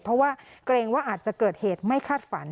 เพราะว่าเกรงว่าอาจจะเกิดเหตุไม่คาดฝัน